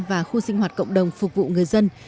và khu sinh hoạt cộng đồng phục vụ người dân